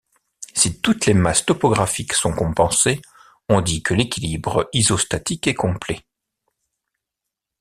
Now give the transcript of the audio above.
Si toutes les masses topographiques sont compensées, on dit que l'équilibre isostatique est complet.